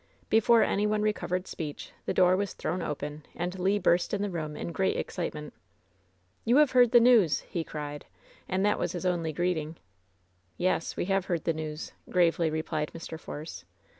Before any one recovered speech the door was thrown open, and Le burst in the room in great excitement. "You have heard the news!" he cried; and that was his only greeting. "Yes, we have heard the news," gravely replied Mr. Force.